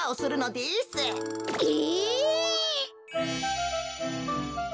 え！？